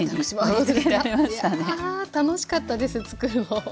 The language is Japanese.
いや楽しかったですつくるの。